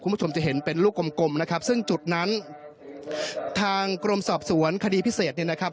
คุณผู้ชมจะเห็นเป็นลูกกลมกลมนะครับซึ่งจุดนั้นทางกรมสอบสวนคดีพิเศษเนี่ยนะครับ